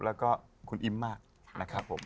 แล้วก็คุณอิมมากนะครับผม